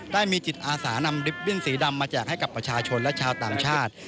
ได้มีจิตอาสานำริปบิ้นสีดำมาแจกให้กับประชาชนและชาวต่างชาติ